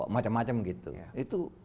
macam macam gitu itu